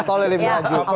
tolnya lebih maju